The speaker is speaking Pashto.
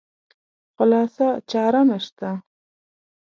خالصه چاره نشته.